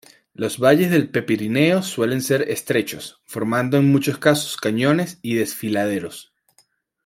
Los valles del Prepirineo suelen ser estrechos, formando en muchos casos cañones y desfiladeros.